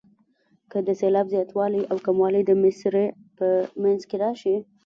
که د سېلاب زیاتوالی او کموالی د مصرع په منځ کې راشي.